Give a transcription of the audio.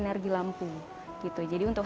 fertrtutup dari bengkak